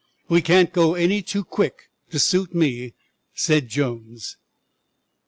"We can't go any too quick to suit me," said Jones.